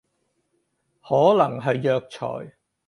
可能係藥材